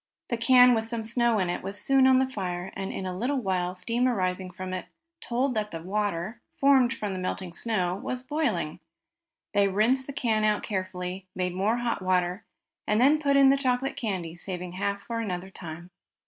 The can, with some snow in it, was soon on the fire, and in a little while steam arising from it told that the water, formed from the melting snow, was boiling. They rinsed the can out carefully, made more hot water, and then put in the chocolate candy, saving half for another time.